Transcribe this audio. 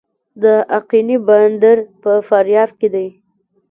د اقینې بندر په فاریاب کې دی